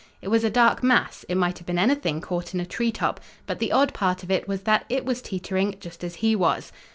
It was a dark mass, it might have been anything caught in a treetop, but the odd part of it was that it was "teetering" just as he was.